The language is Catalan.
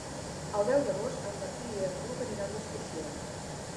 El deu d'agost en Martí i en Lluc aniran d'excursió.